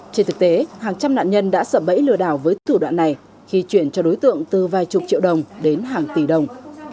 trên thực tế hàng trăm nạn nhân đã sập bẫy lừa đảo với thủ đoạn này khi chuyển cho đối tượng từ vài chục triệu đồng đến hàng tỷ đồng